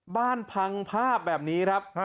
พังภาพแบบนี้ครับ